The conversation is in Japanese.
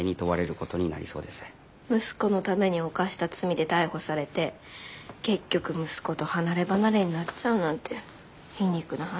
息子のために犯した罪で逮捕されて結局息子と離れ離れになっちゃうなんて皮肉な話。